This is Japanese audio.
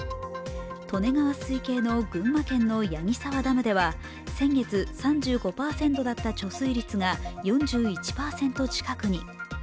利根川水系の群馬県の矢木沢ダムでは先月３５％だった貯水率が４１％近くに。